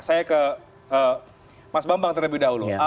saya ke mas bambang terlebih dahulu